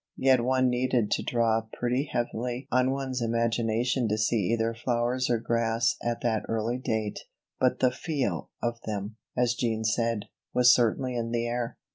Yet one needed to draw pretty heavily on one's imagination to see either flowers or grass at that early date; but the feel of them, as Jean said, was certainly in the air.